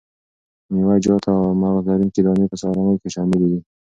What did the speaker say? میوه جات او مغذ لرونکي دانې په سهارنۍ کې شامل دي.